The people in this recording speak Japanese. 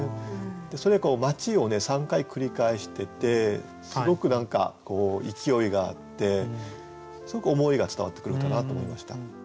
それで「街」を３回繰り返しててすごく何か勢いがあってすごく思いが伝わってくる歌だなと思いました。